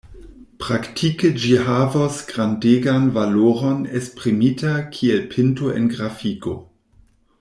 Praktike ĝi havos grandegan valoron esprimita kiel pinto en grafiko.